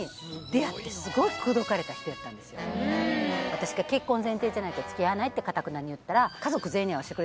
私が「結婚前提じゃないと付き合わない」ってかたくなに言ったら。